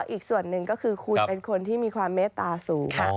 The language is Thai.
อีกส่วนหนึ่งก็คือคุณเป็นคนที่มีความเมตตาสูง